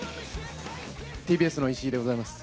ＴＢＳの石井でございます。